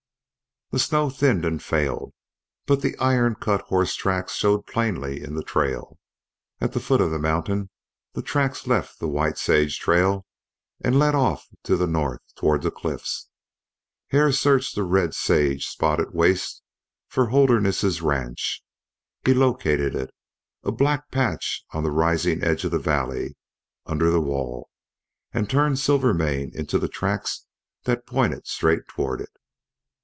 The snow thinned and failed, but the iron cut horsetracks showed plainly in the trail. At the foot of the mountain the tracks left the White Sage trail and led off to the north toward the cliffs. Hare searched the red sage spotted waste for Holderness's ranch. He located it, a black patch on the rising edge of the valley under the wall, and turned Silvermane into the tracks that pointed straight toward it.